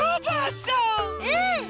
うん！